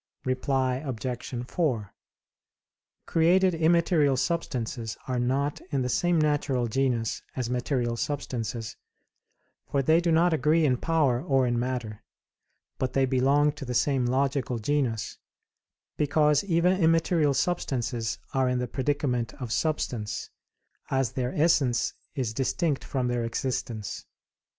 Reply Obj. 4: Created immaterial substances are not in the same natural genus as material substances, for they do not agree in power or in matter; but they belong to the same logical genus, because even immaterial substances are in the predicament of substance, as their essence is distinct from their existence.